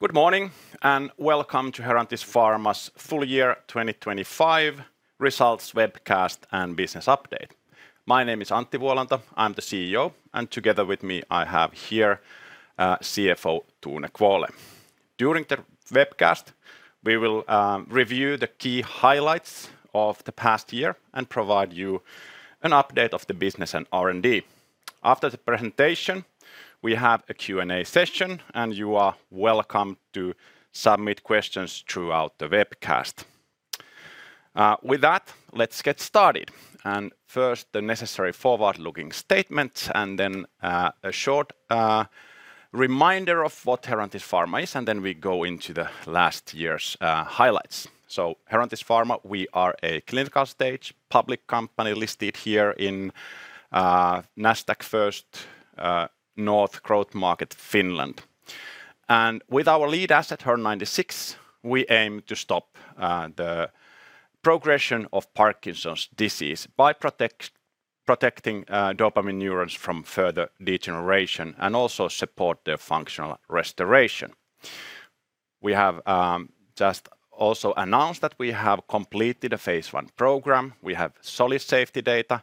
Good morning, welcome to Herantis Pharma's full year 2025 results webcast and business update. My name is Antti Vuolanto. I'm the CEO, and together with me, I have here CFO Tone Kvåle. During the webcast, we will review the key highlights of the past year and provide you an update of the business and R&D. After the presentation, we have a Q&A session, and you are welcome to submit questions throughout the webcast. With that, let's get started. First, the necessary forward-looking statements, and then a short reminder of what Herantis Pharma is, and then we go into the last year's highlights. Herantis Pharma, we are a clinical stage public company listed here in Nasdaq First North Growth Market, Finland. With our lead asset HER-096, we aim to stop the progression of Parkinson's disease by protecting dopamine neurons from further degeneration and also support their functional restoration. We have just also announced that we have completed a phase one program. We have solid safety data.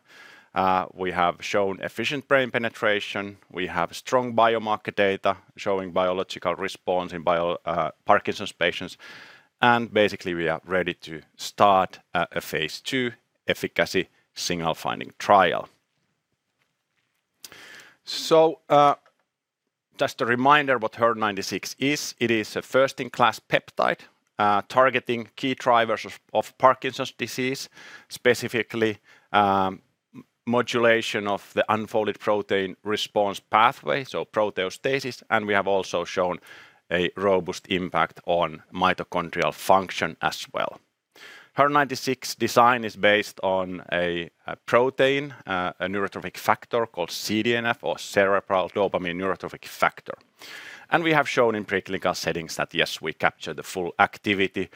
We have shown efficient brain penetration. We have strong biomarker data showing biological response in Parkinson's patients. Basically, we are ready to start a phase two efficacy signal finding trial. Just a reminder what HER-096 is. It is a first-in-class peptide targeting key drivers of Parkinson's disease, specifically modulation of the Unfolded Protein Response pathway, so proteostasis. We have also shown a robust impact on mitochondrial function as well. HER-096 design is based on a protein, a neurotrophic factor called CDNF or Cerebral Dopamine Neurotrophic Factor. We have shown in preclinical settings that, yes, we capture the full activity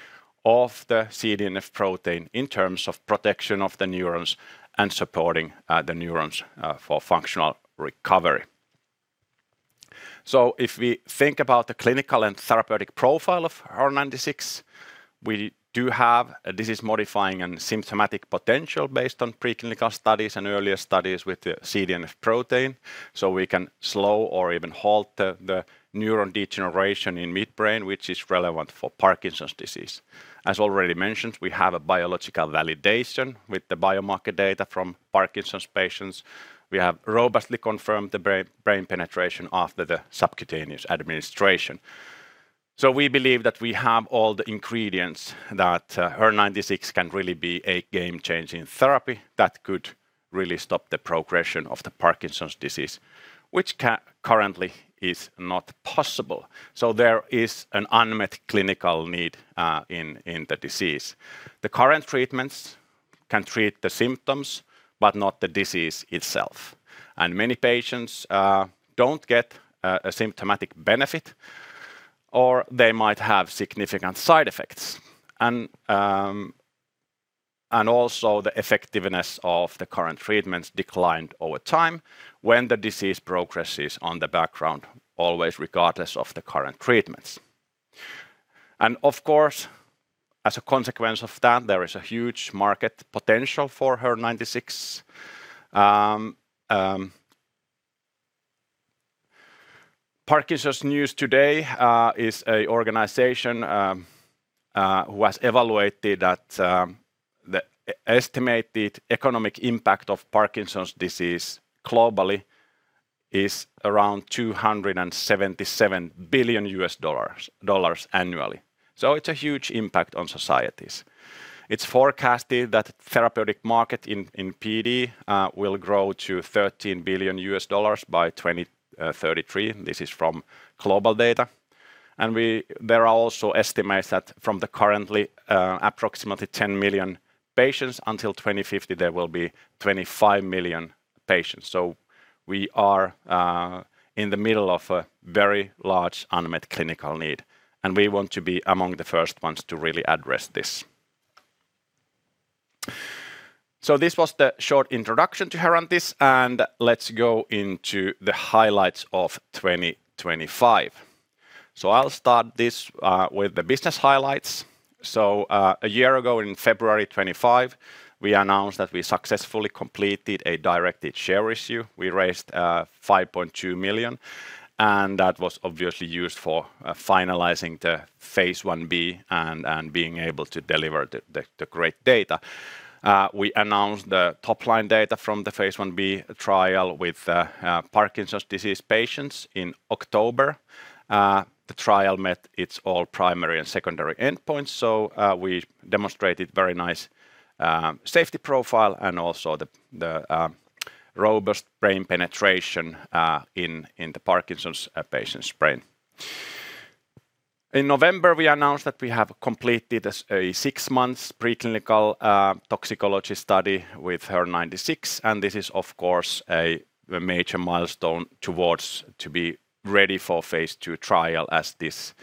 of the CDNF protein in terms of protection of the neurons and supporting the neurons for functional recovery. If we think about the clinical and therapeutic profile of HER-096, we do have a disease-modifying and symptomatic potential based on preclinical studies and earlier studies with the CDNF protein. We can slow or even halt the neuron degeneration in midbrain, which is relevant for Parkinson's disease. As already mentioned, we have a biological validation with the biomarker data from Parkinson's patients. We have robustly confirmed the brain penetration after the subcutaneous administration. We believe that we have all the ingredients that HER-096 can really be a game-changing therapy that could really stop the progression of Parkinson's disease, which currently is not possible. There is an unmet clinical need in the disease. The current treatments can treat the symptoms but not the disease itself. Many patients don't get a symptomatic benefit, or they might have significant side effects. Also the effectiveness of the current treatments declined over time when the disease progresses on the background always regardless of the current treatments. Of course, as a consequence of that, there is a huge market potential for HER-096. Parkinson's News Today is a organization who has evaluated that the estimated economic impact of Parkinson's disease globally is around $277 billion annually. It's a huge impact on societies. It's forecasted that therapeutic market in PD will grow to $13 billion by 2033. This is from GlobalData. There are also estimates that from the currently approximately 10 million patients until 2050, there will be 25 million patients. We are in the middle of a very large unmet clinical need, and we want to be among the first ones to really address this. This was the short introduction to Herantis, and let's go into the highlights of 2025. I'll start this with the business highlights. A year ago in February 25, we announced that we successfully completed a directed share issue. We raised 5.2 million, that was obviously used for finalizing the phase 1b and being able to deliver the great data. We announced the top-line data from the phase 1b trial with Parkinson's disease patients in October. The trial met its all primary and secondary endpoints. We demonstrated very nice safety profile and also the robust brain penetration in the Parkinson's patient's brain. In November, we announced that we have completed a six months preclinical toxicology study with HER-096. This is of course a major milestone towards to be ready for phase two trial as this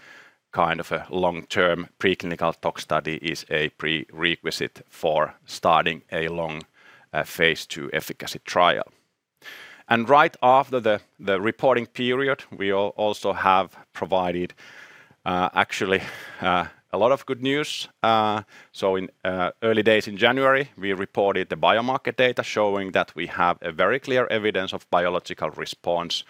kind of a long-term preclinical tox study is a prerequisite for starting a long phase two efficacy trial. Right after the reporting period, we also have provided actually a lot of good news. In early days in January, we reported the biomarker data showing that we have a very clear evidence of biological response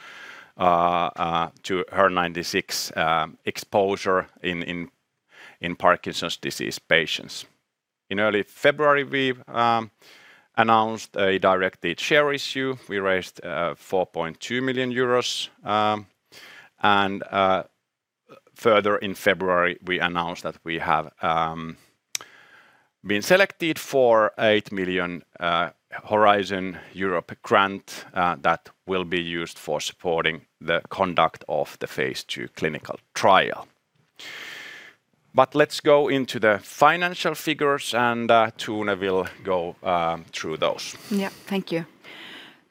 to HER-096 exposure in Parkinson's disease patients. In early February, we've announced a directed share issue. We raised 4.2 million euros, and further in February, we announced that we have been selected for 8 million Horizon Europe grant that will be used for supporting the conduct of the phase two clinical trial. Let's go into the financial figures, and Tone will go through those. Thank you.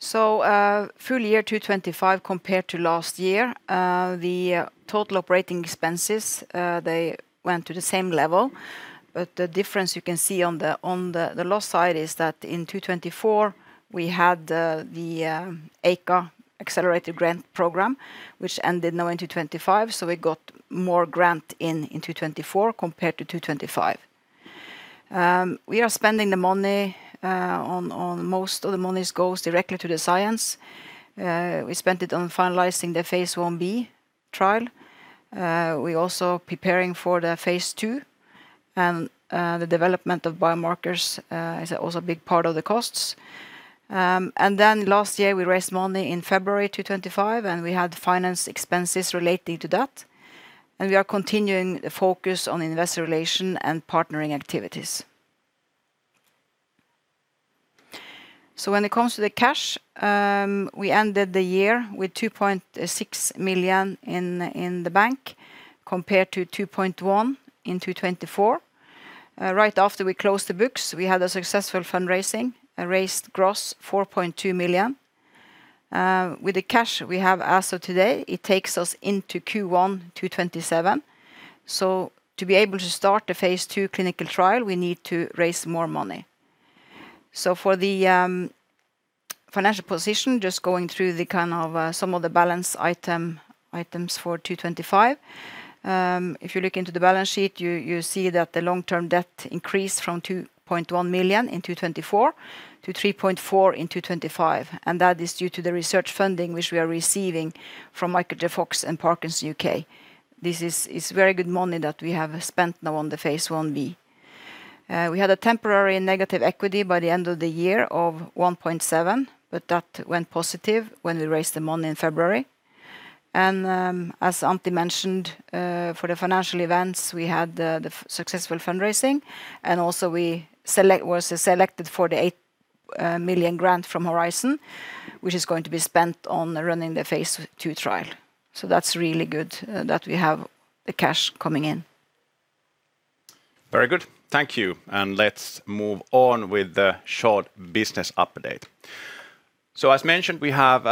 Full year 2025 compared to last year, the total operating expenses, they went to the same level. The difference you can see on the loss side is that in 2024, we had the EIC Accelerator grant program, which ended now in 2025, we got more grant in 2024 compared to 2025. We are spending the money, most of the monies goes directly to the science. We spent it on finalizing the phase 1b trial. We're also preparing for the phase two, the development of biomarkers is also a big part of the costs. Last year, we raised money in February 2025, we had finance expenses relating to that. We are continuing the focus on investor relation and partnering activities. When it comes to the cash, we ended the year with 2.6 million in the bank compared to 2.1 million in 2024. Right after we closed the books, we had a successful fundraising and raised gross 4.2 million. With the cash we have as of today, it takes us into Q1 2027. To be able to start the phase two clinical trial, we need to raise more money. For the financial position, just going through the kind of some of the balance items for 2025. If you look into the balance sheet, you see that the long-term debt increased from 2.1 million in 2024 to 3.4 million in 2025. That is due to the research funding which we are receiving from Michael J. Fox and Parkinson's UK. This is very good money that we have spent now on the phase 1b. We had a temporary negative equity by the end of the year of 1.7 million. That went positive when we raised the money in February. As Antti mentioned, for the financial events, we had the successful fundraising, and also we was selected for the 8 million grant from Horizon, which is going to be spent on running the phase two trial. That's really good that we have the cash coming in. Very good. Thank you. Let's move on with the short business update. As mentioned, we have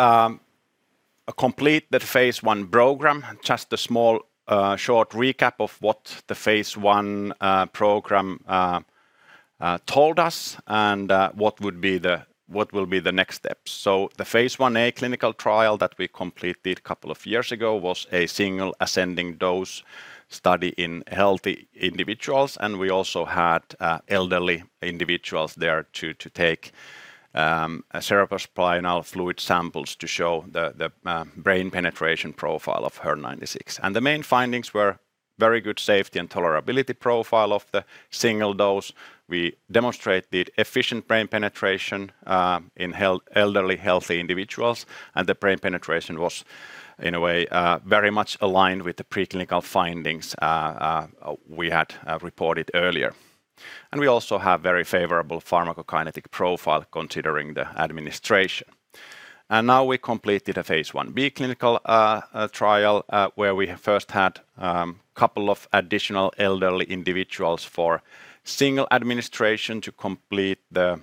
a completed phase one program. Just a small, short recap of what the phase one program told us and what will be the next steps. The Phase one a clinical trial that we completed two years ago was a single ascending dose study in healthy individuals. We also had elderly individuals there to take cerebrospinal fluid samples to show the brain penetration profile of HER-096. The main findings were very good safety and tolerability profile of the single dose. We demonstrated efficient brain penetration in elderly healthy individuals. The brain penetration was, in a way, very much aligned with the preclinical findings we had reported earlier. We also have very favorable pharmacokinetic profile considering the administration. Now we completed a phase 1b clinical trial where we first had couple of additional elderly individuals for single administration to complete some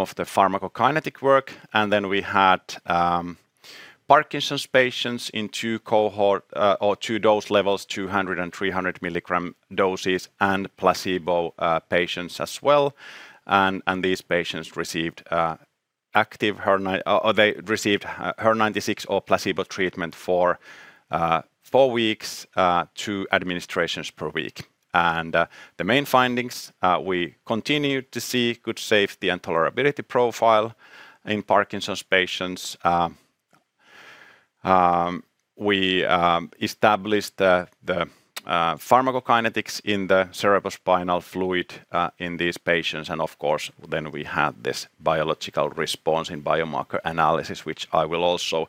of the pharmacokinetic work. Then we had Parkinson's patients in two cohort or two dose levels, 200 and 300 milligram doses and placebo patients as well. These patients received active HER-096 or placebo treatment for four weeks, two administrations per week. The main findings, we continued to see good safety and tolerability profile in Parkinson's patients. We established the pharmacokinetics in the cerebrospinal fluid in these patients. Of course, we had this biological response in biomarker analysis, which I will also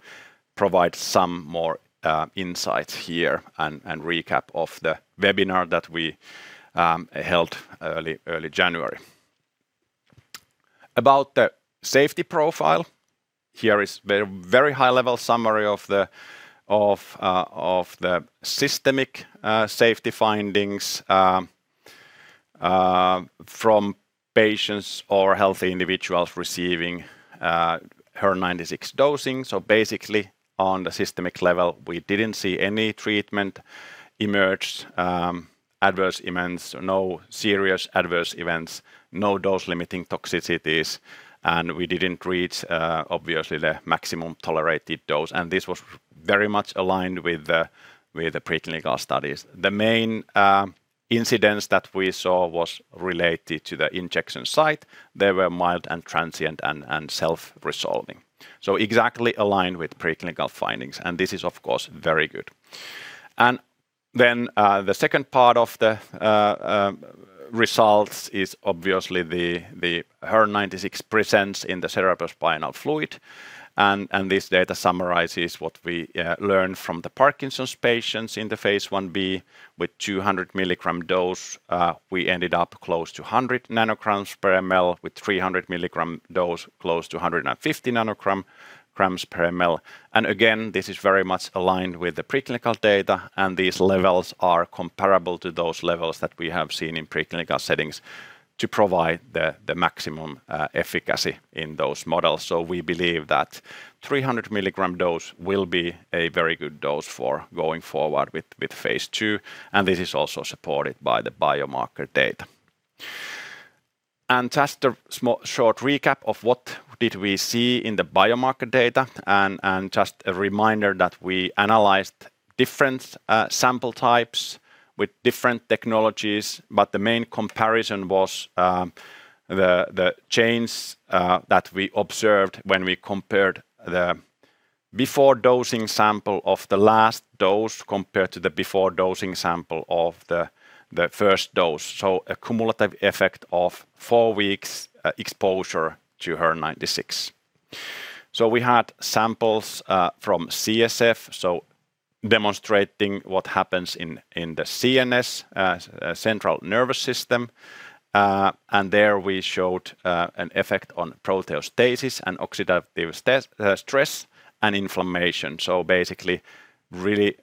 provide some more insights here and recap of the webinar that we held early January. About the safety profile, here is very high level summary of the systemic safety findings from patients or healthy individuals receiving HER-096 dosing. Basically on the systemic level, we didn't see any treatment emerged adverse events, no serious adverse events, no dose limiting toxicities, we didn't reach obviously the maximum tolerated dose. This was very much aligned with the preclinical studies. The main incidents that we saw was related to the injection site. They were mild and transient and self-resolving. Exactly aligned with preclinical findings, this is of course very good. The second part of the results is obviously the HER-096 presence in the cerebrospinal fluid. This data summarizes what we learned from the Parkinson's patients in the Phase 1b with 200 milligram dose. We ended up close to 100 nanograms per ml, with 300 milligram dose close to 150 nanograms per ml. Again, this is very much aligned with the preclinical data, and these levels are comparable to those levels that we have seen in preclinical settings to provide the maximum efficacy in those models. We believe that 300 milligram dose will be a very good dose for going forward with Phase two, and this is also supported by the biomarker data. Just a small short recap of what did we see in the biomarker data and just a reminder that we analyzed different sample types with different technologies. The main comparison was the chains that we observed when we compared the before dosing sample of the last dose compared to the before dosing sample of the first dose. A cumulative effect of four weeks exposure to HER-096. We had samples from CSF, so demonstrating what happens in the CNS, central nervous system. There we showed an effect on proteostasis and oxidative stress and inflammation. Basically really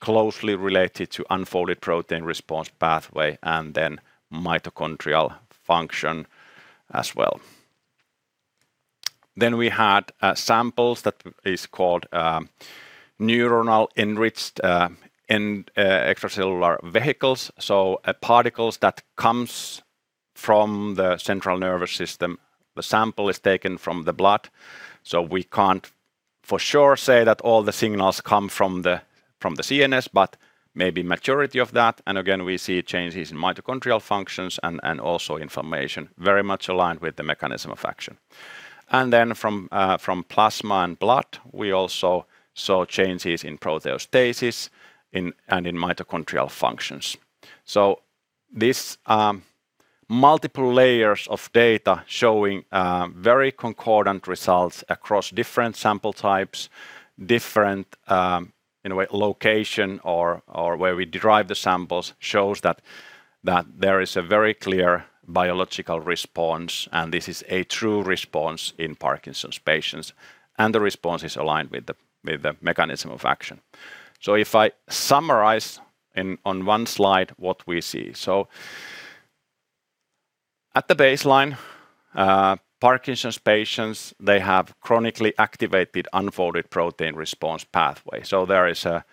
closely related to Unfolded Protein Response pathway, and then mitochondrial function as well. We had samples that is called neuronal-enriched in extracellular vesicles, so particles that comes from the central nervous system. The sample is taken from the blood, so we can't for sure say that all the signals come from the CNS, but maybe majority of that. Again, we see changes in mitochondrial functions and also inflammation, very much aligned with the mechanism of action. From plasma and blood, we also saw changes in proteostasis and in mitochondrial functions. This multiple layers of data showing very concordant results across different sample types, different in a way location or where we derive the samples, shows that there is a very clear biological response, and this is a true response in Parkinson's patients. The response is aligned with the mechanism of action. If I summarize on one slide what we see. At the baseline, Parkinson's patients, they have chronically activated Unfolded Protein Response pathway. There is a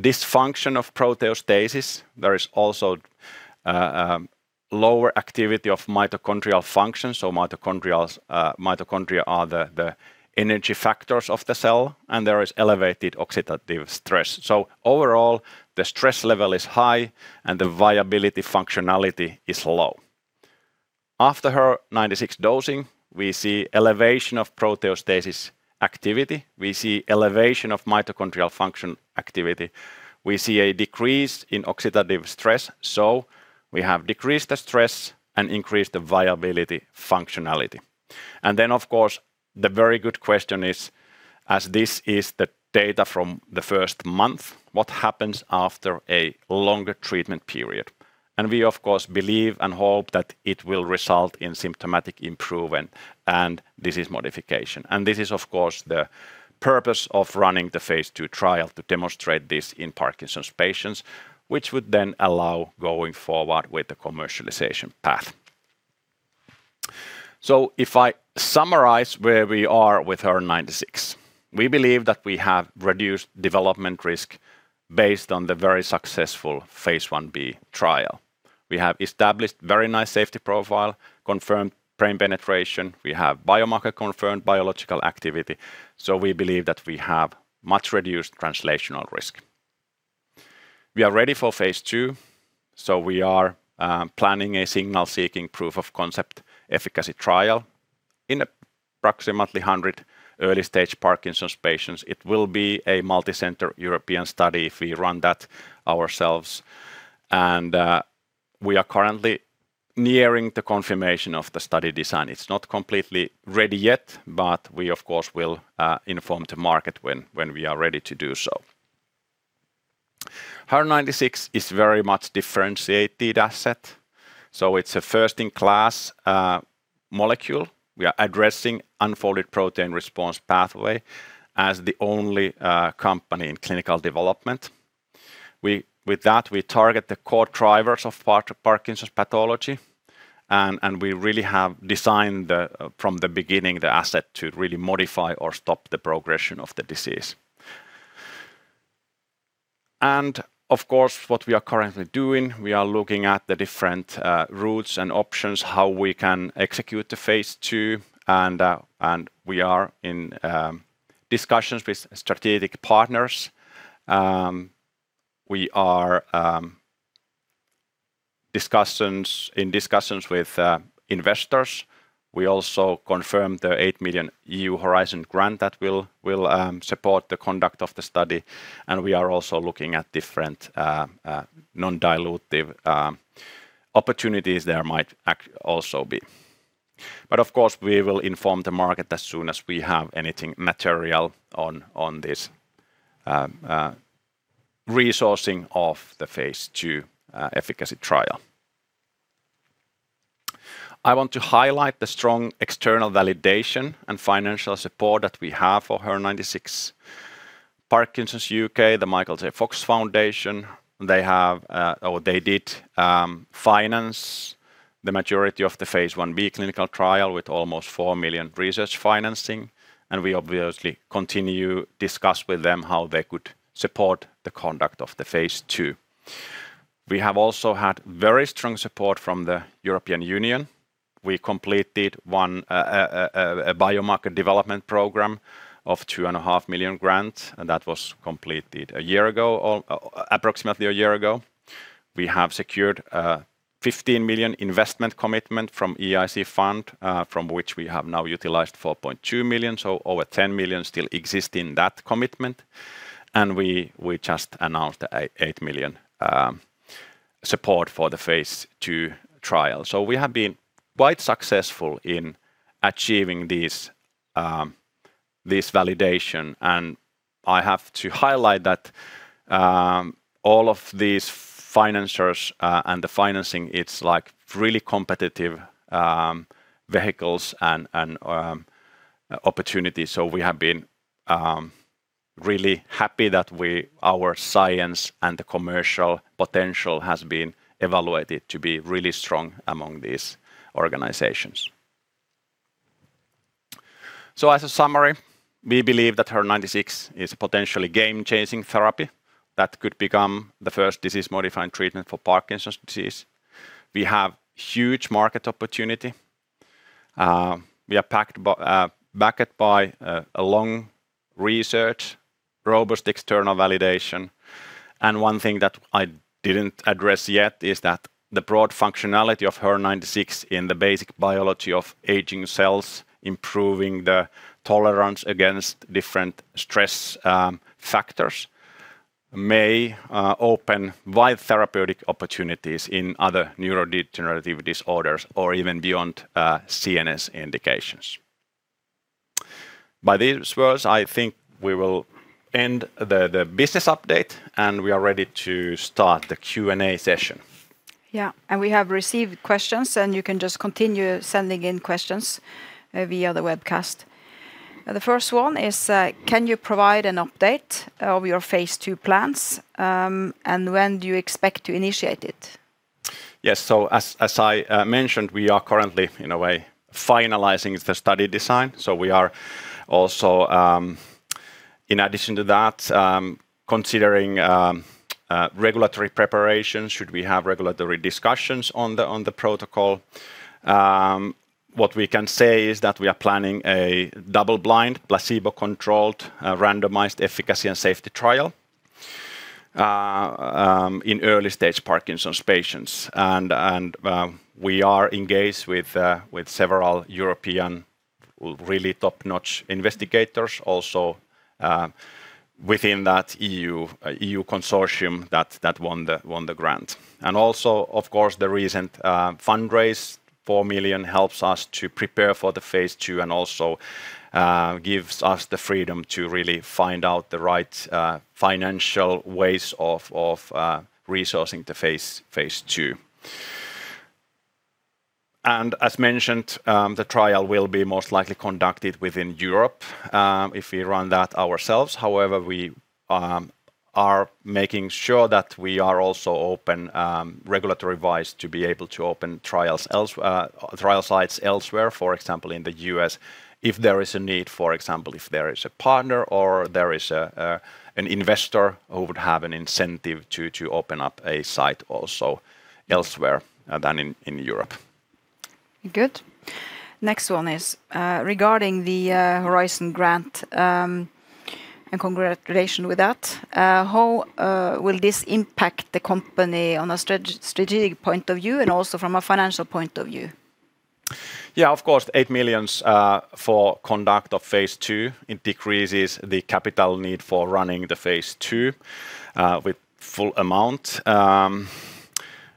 dysfunction of proteostasis. There is also lower activity of mitochondrial function, so mitochondria are the energy factors of the cell, and there is elevated oxidative stress. Overall, the stress level is high and the viability functionality is low. After HER96 dosing, we see elevation of proteostasis activity. We see elevation of mitochondrial function activity. We see a decrease in oxidative stress. We have decreased the stress and increased the viability functionality. Of course, the very good question is, as this is the data from the first month, what happens after a longer treatment period? We of course believe and hope that it will result in symptomatic improvement and disease modification. This is of course the purpose of running the Phase two trial to demonstrate this in Parkinson's patients, which would then allow going forward with the commercialization path. If I summarize where we are with HER-096, we believe that we have reduced development risk based on the very successful Phase 1b trial. We have established very nice safety profile, confirmed brain penetration. We have biomarker confirmed biological activity, so we believe that we have much reduced translational risk. We are ready for Phase two, so we are planning a signal seeking proof of concept efficacy trial in approximately 100 early stage Parkinson's patients. It will be a multicenter European study if we run that ourselves. We are currently nearing the confirmation of the study design. It's not completely ready yet, we of course will inform the market when we are ready to do so. HER-096 is very much differentiated asset. It's a first-in-class molecule. We are addressing Unfolded Protein Response pathway as the only company in clinical development. With that, we target the core drivers of Parkinson's pathology and we really have designed from the beginning the asset to really modify or stop the progression of the disease. Of course, what we are currently doing, we are looking at the different routes and options, how we can execute the Phase two and we are in discussions with strategic partners. We are in discussions with investors. We also confirm the 8 million EU Horizon grant that will support the conduct of the study. We are also looking at different non-dilutive opportunities there might also be. Of course, we will inform the market as soon as we have anything material on this resourcing of the phase two efficacy trial. I want to highlight the strong external validation and financial support that we have for HER-096. Parkinson's UK, The Michael J. Fox Foundation, they have or they did finance the majority of the phase 1b clinical trial with almost 4 million research financing. We obviously continue discuss with them how they could support the conduct of the phase two. We have also had very strong support from the European Union. We completed one biomarker development program of two and a half million grant. That was completed a year ago or approximately a year ago. We have secured 15 million investment commitment from EIC Fund, from which we have now utilized 4.2 million. Over 10 million still exist in that commitment. We just announced the 8 million support for the phase two trial. We have been quite successful in achieving this validation. I have to highlight that all of these financiers and the financing, it's like really competitive vehicles and opportunities. We have been really happy that our science and the commercial potential has been evaluated to be really strong among these organizations. As a summary, we believe that HER-096 is a potentially game-changing therapy that could become the first disease-modifying treatment for Parkinson's disease. We have huge market opportunity. We are backed by a long research, robust external validation. One thing that I didn't address yet is that the broad functionality of HER-096 in the basic biology of aging cells, improving the tolerance against different stress factors, may open wide therapeutic opportunities in other neurodegenerative disorders or even beyond CNS indications. By these words, I think we will end the business update, and we are ready to start the Q&A session. Yeah. We have received questions, and you can just continue sending in questions via the webcast. The first one is, can you provide an update of your phase two plans? When do you expect to initiate it? Yes. As I mentioned, we are currently in a way finalizing the study design. We are also, in addition to that, considering regulatory preparations should we have regulatory discussions on the protocol. What we can say is that we are planning a double-blind, placebo-controlled, randomized efficacy and safety trial in early-stage Parkinson's patients. We are engaged with several European really top-notch investigators also within that EU consortium that won the grant. Also, of course, the recent fundraise, 4 million, helps us to prepare for the phase two and also gives us the freedom to really find out the right financial ways of resourcing the phase two. As mentioned, the trial will be most likely conducted within Europe, if we run that ourselves. However, we are making sure that we are also open, regulatory-wise to be able to open trial sites elsewhere, for example, in the U.S., if there is a need, for example, if there is a partner or there is an investor who would have an incentive to open up a site also elsewhere than in Europe. Good. Next one is regarding the Horizon grant. Congratulations with that. How will this impact the company on a strategic point of view and also from a financial point of view? Yeah, of course, 8 million for conduct of phase two, it decreases the capital need for running the phase two with full amount.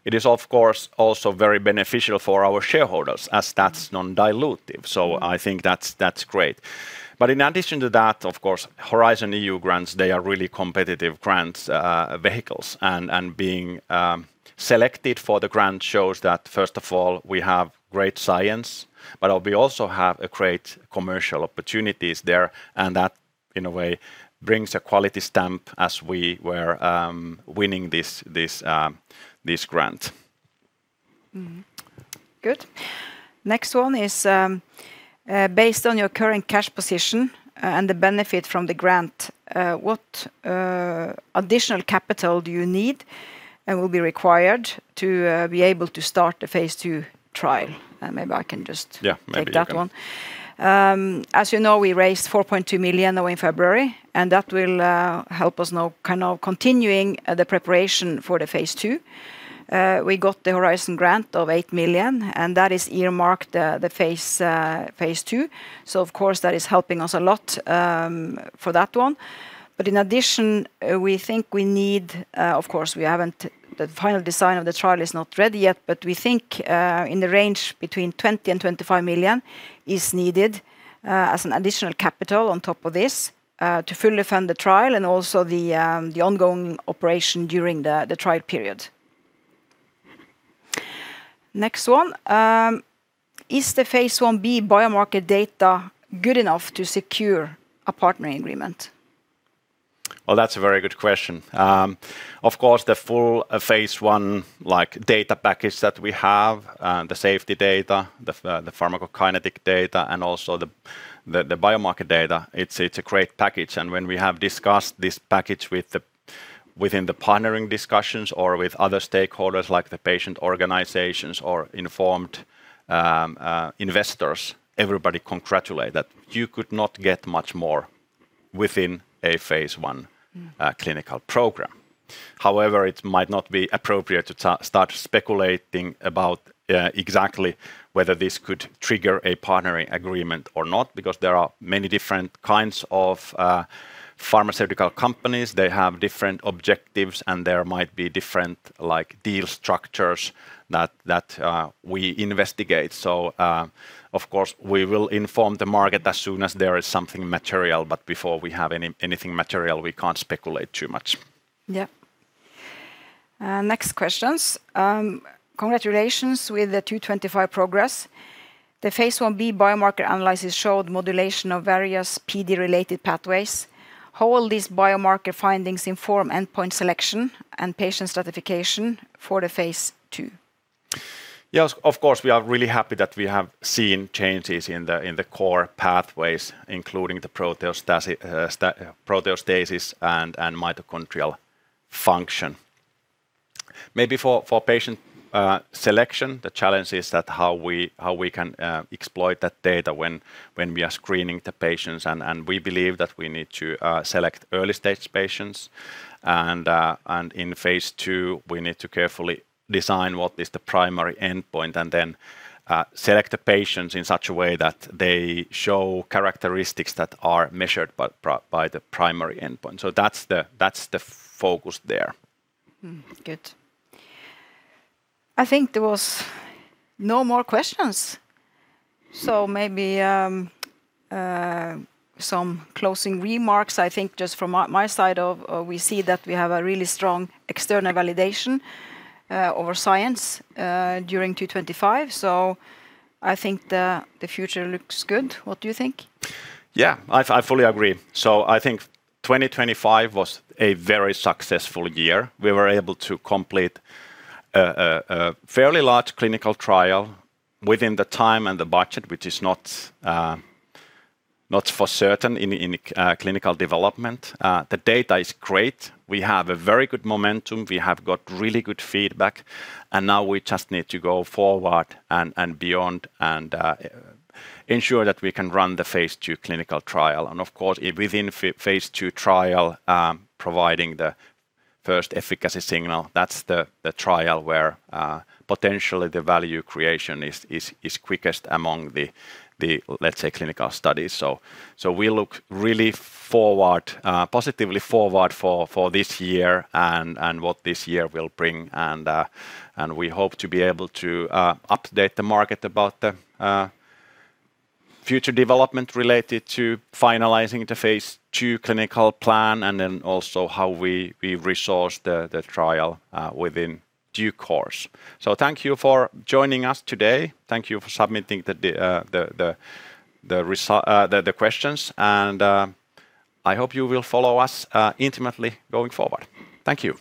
It is of course also very beneficial for our shareholders as that's non-dilutive. I think that's great. In addition to that, of course, Horizon EU grants, they are really competitive grants, vehicles and being selected for the grant shows that first of all we have great science, but we also have a great commercial opportunities there, and that, in a way, brings a quality stamp as we were winning this grant. Good. Next one is, based on your current cash position, and the benefit from the grant, what additional capital do you need and will be required to be able to start the phase two trial? Yeah. Maybe you can... take that one. As you know, we raised 4.2 million away in February. That will help us now kind of continuing the preparation for the phase two. We got the Horizon grant of 8 million, and that is earmarked the phase two. Of course, that is helping us a lot for that one. In addition, we think we need... Of course, the final design of the trial is not ready yet, but we think in the range between 20 million and 25 million is needed as an additional capital on top of this to fully fund the trial and also the ongoing operation during the trial period. Next one, is the phase 1b biomarker data good enough to secure a partner agreement? Well, that's a very good question. Of course, the full phase one, like, data package that we have, the safety data, the pharmacokinetic data, and also the biomarker data, it's a great package. When we have discussed this package within the partnering discussions or with other stakeholders like the patient organizations or informed investors, everybody congratulate that you could not get much more within a phase one. Mm... clinical program. However, it might not be appropriate to start speculating about, exactly whether this could trigger a partnering agreement or not because there are many different kinds of, pharmaceutical companies. They have different objectives, and there might be different, like, deal structures that, we investigate. Of course, we will inform the market as soon as there is something material, but before we have anything material, we can't speculate too much. Next questions. Congratulations with the 225 progress. The Phase 1b biomarker analysis showed modulation of various PD-related pathways. How will these biomarker findings inform endpoint selection and patient stratification for the Phase two? Yes, of course, we are really happy that we have seen changes in the core pathways, including the proteostasis and mitochondrial function. Maybe for patient selection, the challenge is that how we can exploit that data when we are screening the patients and we believe that we need to select early-stage patients. In phase two, we need to carefully design what is the primary endpoint and then select the patients in such a way that they show characteristics that are measured by the primary endpoint. That's the focus there. Good. I think there was no more questions. Maybe some closing remarks. I think just from my side of, we see that we have a really strong external validation over science during 2025. I think the future looks good. What do you think? Yeah. I fully agree. I think 2025 was a very successful year. We were able to complete a fairly large clinical trial within the time and the budget, which is not for certain in clinical development. The data is great. We have a very good momentum. We have got really good feedback, now we just need to go forward and beyond and ensure that we can run the phase two clinical trial. Of course, within phase two trial, providing the first efficacy signal, that's the trial where potentially the value creation is quickest among the, let's say, clinical studies. We look really forward, positively forward for this year and what this year will bring. We hope to be able to update the market about the future development related to finalizing the phase two clinical plan and then also how we resource the trial within due course. Thank you for joining us today. Thank you for submitting the questions, and I hope you will follow us intimately going forward. Thank you.